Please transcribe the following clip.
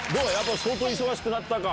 相当忙しくなったか？